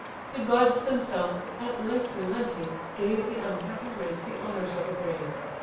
The gods themselves, at length relenting gave The unhappy race the honours of a grave.